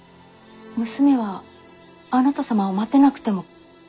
娘はあなた様を待てなくても構いませんか？